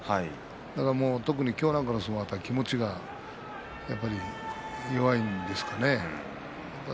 だから今日なんかの相撲では気持ちが弱いんですかね。